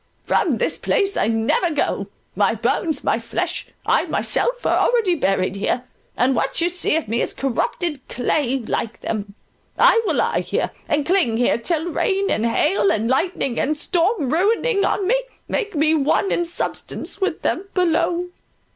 —from this place I never go —my bones, my flesh, I myself, are already buried here, and what you see of me is corrupted clay like them. I will lie here, and cling here, till rain, and hail, and lightning and storm, ruining on me, make me one in substance with them below."